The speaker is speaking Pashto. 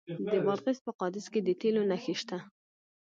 د بادغیس په قادس کې د تیلو نښې شته.